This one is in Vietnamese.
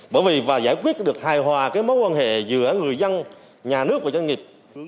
bởi vì và giải quyết được hài hòa cái mối quan hệ giữa người dân nhà nước và doanh nghiệp